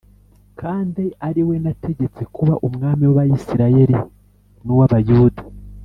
kandi ari we nategetse kuba umwami w’Abisirayeli n’uw’Abayuda.”